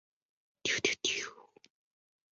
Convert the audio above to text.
勒布莱蒂耶尔里。